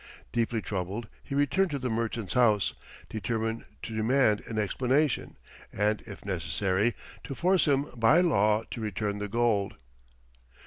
Deeply troubled he returned to the merchant's house, determined to demand an explanation and, if necessary, to force him by law to return the gold.